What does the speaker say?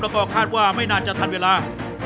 แล้วก็คาดว่าไม่น่าจะทันเวลา